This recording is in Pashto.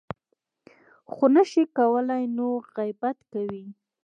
خو نه شي کولی نو غیبت کوي .